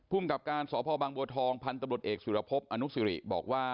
ผู้กรรมการสพบางโบทองพันธบริกสุรพพอนุสิริบอกว่า